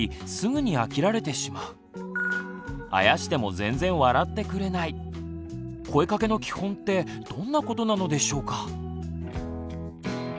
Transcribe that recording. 今回番組には声かけの基本ってどんなことなのでしょうか？